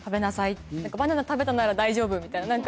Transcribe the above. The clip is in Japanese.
何か「バナナ食べたなら大丈夫」みたいな何か。